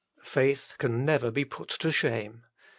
Faith can never be put to shame.